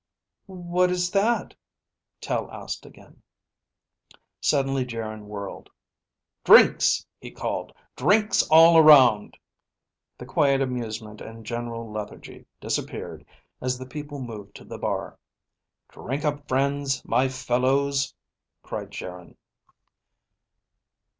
"What is that?" Tel asked again. Suddenly Geryn whirled. "Drinks!" he called. "Drinks all around!" The quiet amusement and general lethargy disappeared as the people moved to the bar. "Drink up, friends, my fellows!" cried Geryn.